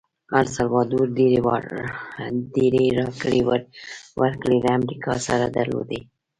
السلوادور ډېرې راکړې ورکړې له امریکا سره درلودې.